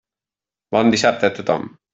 Bon dissabte a tothom.